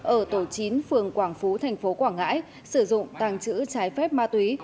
ở tổ chín phường quảng phú thành phố quảng ngãi sử dụng tàng trữ trái phép ma túy